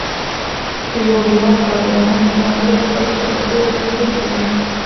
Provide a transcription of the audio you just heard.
که يو هیواد عادلانه نظام ولري؛ خلک ئې په سوله کښي ژوند کوي.